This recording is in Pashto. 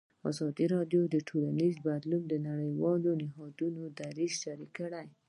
ازادي راډیو د ټولنیز بدلون د نړیوالو نهادونو دریځ شریک کړی.